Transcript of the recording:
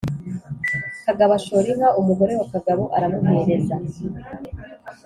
Kagabo ashora inka Umugore wa Kagabo aramuhereza